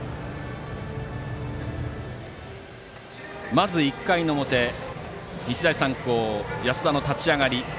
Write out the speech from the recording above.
まず、１回の表日大三高、安田の立ち上がり。